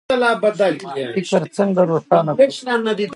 فکر څنګه روښانه کړو؟